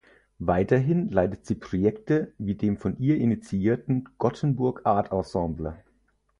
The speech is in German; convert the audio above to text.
Weiterhin leitet sie Projekte wie dem von ihr inittierten "Gothenburg Art Ensemble".